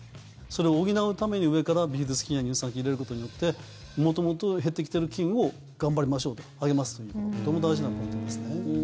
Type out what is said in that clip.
それを補うために上からビフィズス菌や乳酸菌を入れることによって元々減ってきている菌を頑張りましょうと励ますということがとても大事だと思いますね。